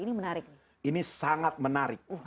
ini menarik ini sangat menarik